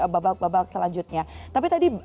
babak babak selanjutnya tapi tadi